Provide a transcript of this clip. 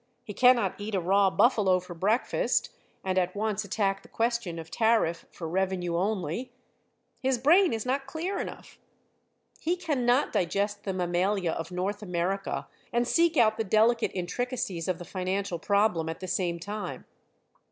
He cannot eat a raw buffalo for breakfast and at once attack the question of tariff for revenue only. His brain is not clear enough. He cannot digest the mammalia of North America and seek out the delicate intricacies of the financial problem at the same time.